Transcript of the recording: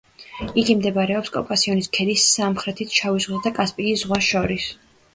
იგი მდებარეობს კავკასიონის ქედის სამხრეთით შავ ზღვასა და კასპიის ზღვას შორის.